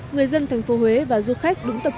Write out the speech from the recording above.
người dân thành phố huế và du khách đúng tâm lý